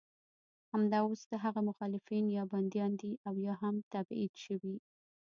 همدا اوس د هغه مخالفین یا بندیان دي او یا هم تبعید شوي.